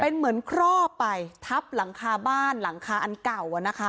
เป็นเหมือนครอบไปทับหลังคาบ้านหลังคาอันเก่าอ่ะนะคะ